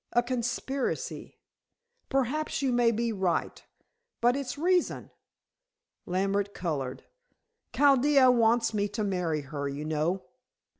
"A conspiracy. Perhaps you may be right. But its reason?" Lambert colored. "Chaldea wants me to marry her, you know."